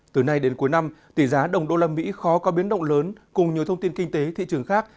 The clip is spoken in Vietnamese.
từ nay đến cuối năm tỷ giá đồng đô la mỹ khó có biến động lớn cùng nhiều thông tin kinh tế thị trường khác